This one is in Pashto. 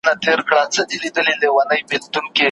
دا څو بیتونه مي، په ډېر تلوار